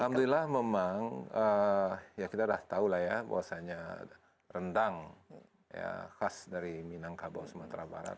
alhamdulillah memang ya kita sudah tahu lah ya bahwasannya rendang khas dari minangkabau sumatera barat